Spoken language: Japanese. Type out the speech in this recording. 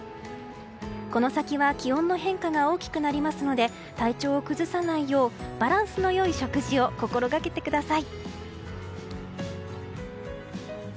この先は気温の変化が大きくなりますので体調を崩さないようバランスの良い食事を心がけてください。